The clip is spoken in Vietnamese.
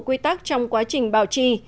quy tắc trong quá trình bảo trì